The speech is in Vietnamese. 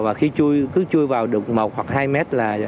và khi chui vào được một hoặc hai mét